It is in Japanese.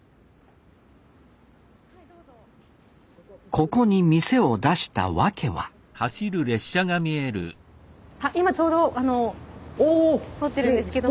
ここに店を出したわけはあっ今ちょうど通ってるんですけども。